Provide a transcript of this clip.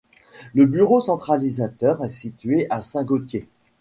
Le bureau centralisateur est situé à Saint-Gaultier.